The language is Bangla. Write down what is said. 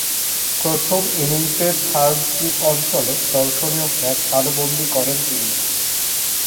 প্রথম ইনিংসে থার্ড স্লিপ অঞ্চলে দর্শনীয় ক্যাচ তালুবন্দী করেন তিনি।